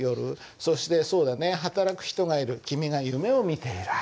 そしてそうだね「働く人がいる君が夢を見ている間に」。